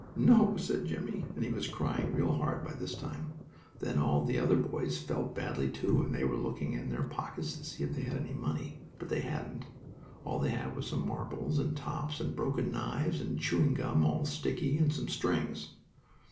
"No," said Jimmie, and he was crying real hard by this time. Then all the other boys felt badly, too, and they were just looking in their pockets to see if they had any money, but they hadn't. All they had was some marbles, and tops, and broken knives, and chewing gum, all sticky, and some strings.